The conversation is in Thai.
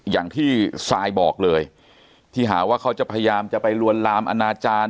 อย่างที่ซายบอกเลยที่หาว่าเขาจะพยายามจะไปลวนลามอนาจารย์